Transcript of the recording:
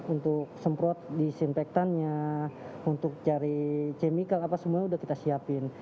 untuk semprot disinfektannya untuk cari chemical apa semua sudah kita siapin